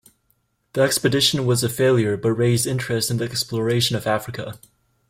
The expedition was a failure but raised interest in the exploration of Africa.